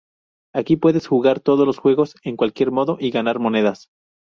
Aquí puedes jugar todos los juegos, en cualquier modo y ganar monedas.